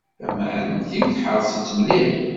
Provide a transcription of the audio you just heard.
Tamεellemt-iw teḥreṣ-itt mliḥ.